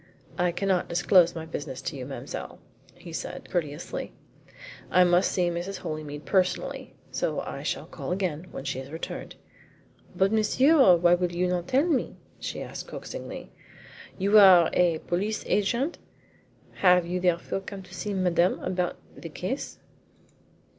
"I cannot disclose my business to you, mademoiselle," he said courteously. "I must see Mrs. Holymead personally, so I shall call again when she has returned." "But, monsieur, why will you not tell me?" she asked coaxingly. "You are a police agent? Have you therefore come to see Madame about the case?"